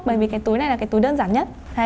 bởi vì cái túi này là cái túi đơn giản nhất